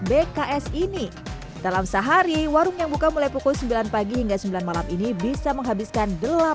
bks ini dalam sehari warung yang buka mulai pukul sembilan pagi hingga sembilan malam ini bisa menghabiskan